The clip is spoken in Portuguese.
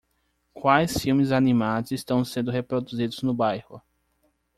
Quais filmes animados estão sendo reproduzidos no bairro?